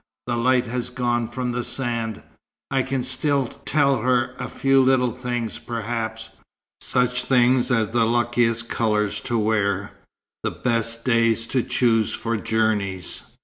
The light has gone from the sand. I can still tell her a few little things, perhaps. Such things as the luckiest colours to wear, the best days to choose for journeys.